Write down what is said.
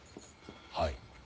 はい。